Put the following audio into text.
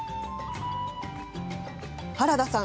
原田さん